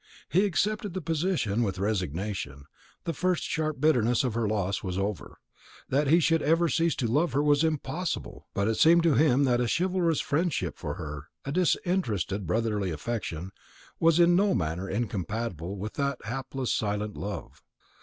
He accepted the position with resignation. The first sharp bitterness of her loss was over. That he should ever cease to love her was impossible; but it seemed to him that a chivalrous friendship for her, a disinterested brotherly affection, was in no manner incompatible with that hapless silent love.